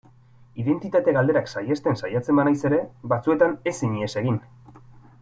Identitate galderak saihesten saiatzen banaiz ere, batzuetan ezin ihes egin.